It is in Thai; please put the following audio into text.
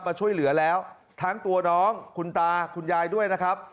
มาช่วยเหลือแล้วทั้งตัวน้องคุณตาคุณยายด้วยนะครับ